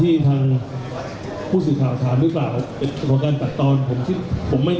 ที่ทางผู้สื่อข่าวถามหรือเปล่าเป็นของการตัดตอนผมคิดผมไม่